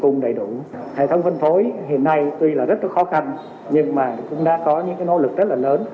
nhưng mà cũng đã có những nỗ lực rất là lớn